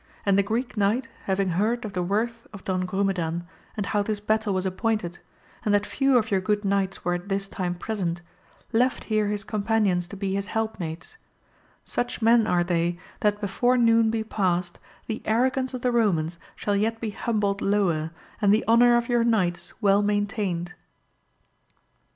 and the Greek Knight having heard of the worth of Don Grumedan, and how this battle was ap pointed, and that few of your good knights were at this time present, left here his companions to be his help mates ; such men are they, that before noon be passed, the arrogance of the Romans shall yet be humbled lower, and the honour of your knights well maintained.